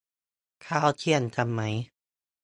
ข้าวเที่ยงกันไหม